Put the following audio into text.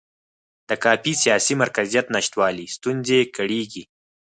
د کافي سیاسي مرکزیت نشتوالي ستونزې کړېږي.